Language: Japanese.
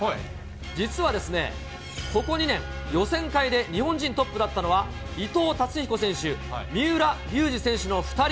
実は、ここ２年、予選会で日本人トップだったのは、伊藤達彦選手、三浦龍司選手の２人。